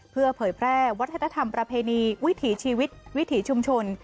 เพื่อเผยแพร่วัฒนธรรมประเพณีวิถีชีวิตวิถีชุมชน